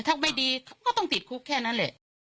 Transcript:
ถ้าไม่ดีก็ต้องติดคุกแค่นั้นแหละ